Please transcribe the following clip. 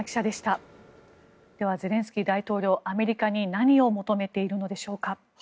では、ゼレンスキー大統領アメリカに何を求めているのでしょうか。